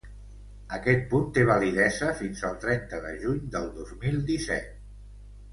Aquest punt té validesa fins el trenta de juny del dos mil disset.